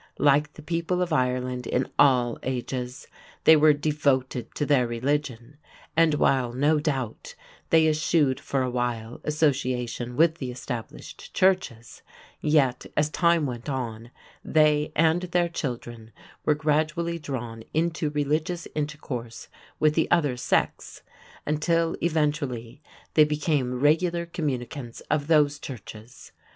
Like the people of Ireland in all ages, they were devoted to their religion, and while, no doubt, they eschewed for a while association with the established churches, yet, as time went on, they and their children were gradually drawn into religious intercourse with the other sects, until eventually they became regular communicants of those churches.